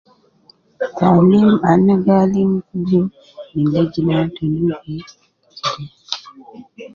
Aulan al na gi alim je je jina te nubi